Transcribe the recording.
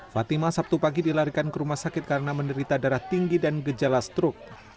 fatima sabtu pagi dilarikan ke rumah sakit karena menderita darah tinggi dan gejala struk